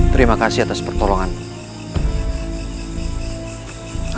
terima kasih atas pertolonganmu